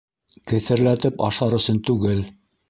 - Кетерләтеп ашар өсөн түгел.